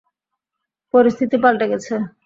পরিস্থিতি পাল্টে গেছে।